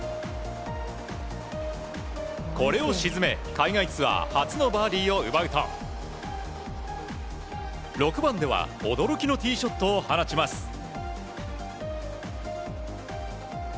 これを沈め、海外ツアー初のバーディーを奪うと６番では驚きのティーショットを放ちます。